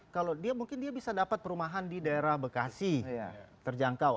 kalau dia mungkin dia bisa dapat perumahan di daerah bekasi terjangkau